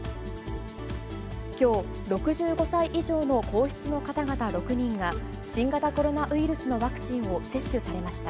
きょう、６５歳以上の皇室の方々６人が、新型コロナウイルスのワクチンを接種されました。